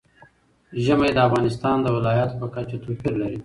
ژمی د افغانستان د ولایاتو په کچه توپیر لري.